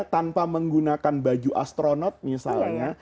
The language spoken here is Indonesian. tanpa menggunakan baju astronot misalnya